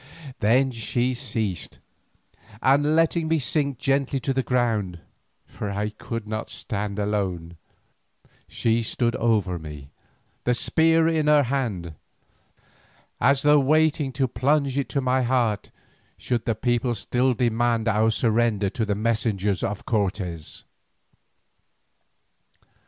Then she ceased, and letting me sink gently to the ground, for I could not stand alone, she stood over me, the spear in her hand, as though waiting to plunge it to my heart should the people still demand our surrender to the messengers of Cortes.